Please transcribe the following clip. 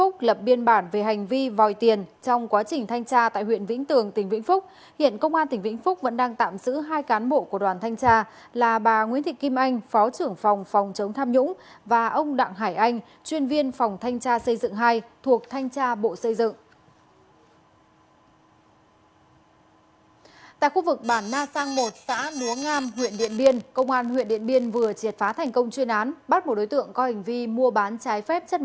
cảm ơn các bạn đã theo dõi